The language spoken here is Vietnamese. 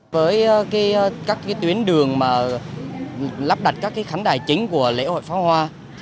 với các tuyến đường lắp đặt các khánh đài chính của lễ hội phó hoa